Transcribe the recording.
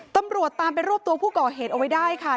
ตำรวจตามไปรวบตัวผู้ก่อเหตุเอาไว้ได้ค่ะ